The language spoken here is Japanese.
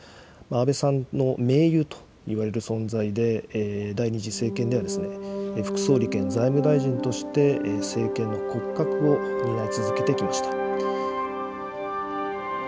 安倍さんの盟友といわれる存在で、第２次政権では、副総理兼財務大臣として政権の骨格を担い続けてきました。